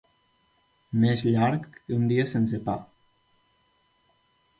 Més llarg que un dia sense pa.